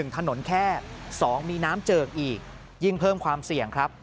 ถนนแค่๒มีน้ำเจิกอีกยิ่งเพิ่มความเสี่ยงครับ